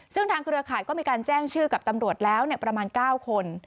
ซึ่งทางเครือข่ายก็มีการแจ้งชื่อกับตำรวจแล้วประมาณ๙คน